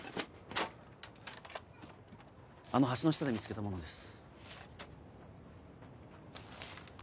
あの橋の下で見つけたものです。